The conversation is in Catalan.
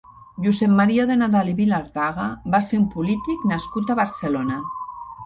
Josep Maria de Nadal i Vilardaga va ser un polític nascut a Barcelona.